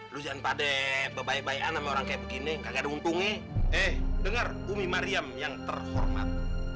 lu jangan padek bebaik baik anak orang kayak begini gak ada untungnya eh dengar umi mariam yang terhormat